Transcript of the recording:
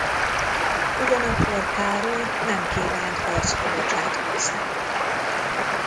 Ugyanakkor Károly nem kívánt harcba bocsátkozni.